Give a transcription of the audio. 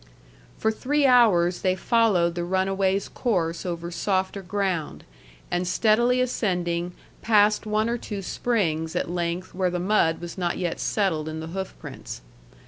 For three hours they followed the runaways' course over softer ground, and steadily ascending, passed one or two springs, at length, where the mud was not yet settled in the hoofprints.